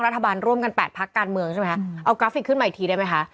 รัฐบาลร่วมกัน๘พักการเมืองเอากราฟฟิกขึ้นมาอีกทีได้ไหมคะ